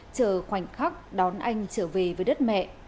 chờ khoảnh khắc đón anh trở về với đất mẹ